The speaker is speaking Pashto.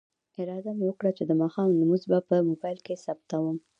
اراده مې وکړه چې د ماښام لمونځ به په موبایل کې ثبتوم.